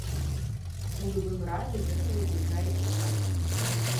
У любым разе гэта выклікае цікавасць.